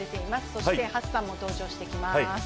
そしてハッサンも登場してきます。